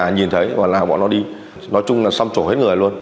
nói chung là xâm trộn hết người luôn